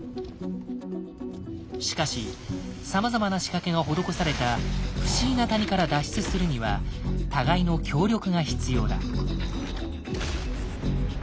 しかしさまざまな仕掛けが施された不思議な谷から脱出するには互いの協力が必要だ。